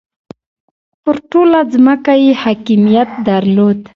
پر ټوله ځمکه یې حاکمیت درلود.